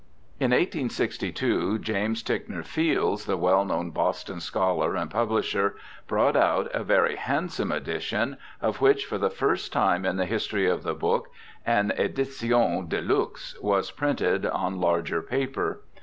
In 1862 James Ticknor Fields, the well known Boston scholar and publisher, brought out a very hand some edition, of which, for the first time in the history of the book, an edition de luxe was printed on larger paper.